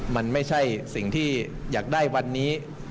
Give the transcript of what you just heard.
มันไม่ใช่สิ่งที่อยากได้วันนี้